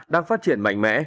đang phát triển mạnh mẽ